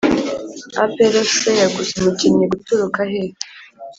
Apr fc yaguze umukinnyi guturuka hehe